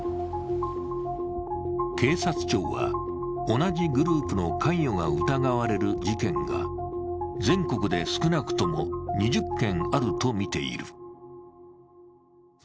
警察庁は同じグループの関与が疑われる事件が全国で少なくとも２０件あるとみている。